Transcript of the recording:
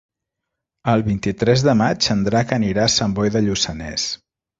El vint-i-tres de maig en Drac anirà a Sant Boi de Lluçanès.